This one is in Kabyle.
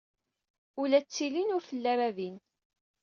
Ula d tillin ur telli ara din.